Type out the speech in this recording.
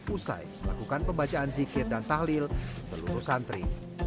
usai melakukan pembacaan zikir dan tahlil seluruh santri